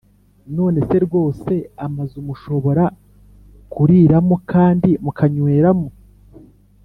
None se rwose amazu mushobora kuriramokandi mukanyweramo